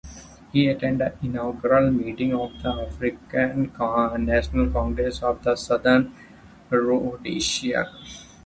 He attended the inaugural meeting of the African National Congress of the Southern Rhodesia.